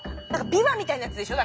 琵琶みたいなやつでしょ。